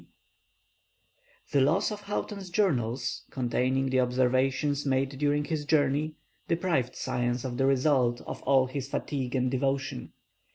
The loss of Houghton's journals, containing the observations made during his journey, deprived science of the result of all his fatigue and devotion.